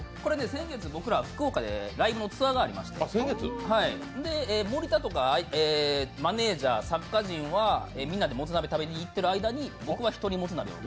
先月、僕ら福岡でライブのツアーがありまして森田とか、マネージャー、作家陣はみんなでもつ鍋行っている間に僕は１人もつ鍋を。